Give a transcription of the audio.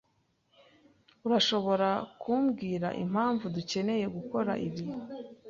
Urashobora kumbwira impamvu dukeneye gukora ibi?